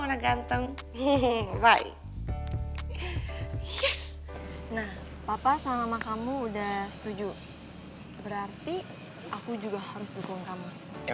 anak ganteng bye yes nah papa sama kamu udah setuju berarti aku juga harus dukung kamu ya